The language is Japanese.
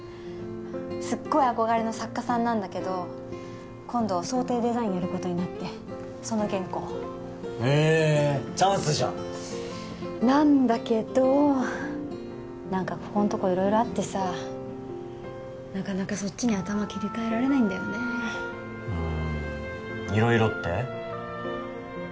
すっごい憧れの作家さんなんだけど今度装丁デザインやることになってその原稿へえチャンスじゃんなんだけど何かここんとこいろいろあってさなかなかそっちに頭切り替えられないんだよねふーんいろいろって？